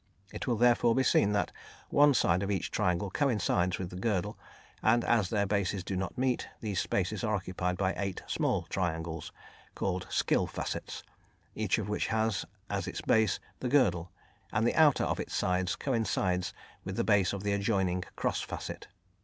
It will, therefore, be seen that one side of each triangle coincides with the girdle, and as their bases do not meet, these spaces are occupied by eight small triangles, called "skill facets," each of which has, as its base, the girdle, and the outer of its sides coincides with the base of the adjoining "cross facet."